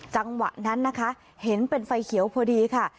จังหวะนั้นนะคะเห็นเป็นไฟเขียวพอดีค่ะ